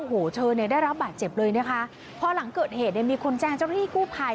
โอ้โหเธอเนี่ยได้รับบาดเจ็บเลยนะคะพอหลังเกิดเหตุเนี่ยมีคนแจ้งเจ้าหน้าที่กู้ภัย